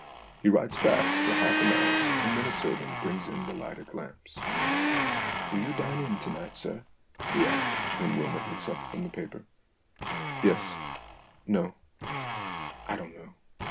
He writes fast for half an hour, and then a servant brings in the lighted lamps. " Will you dine in to night, sir ?" he asks, when Wylmot looks up from the paper. "Yes no I don't know."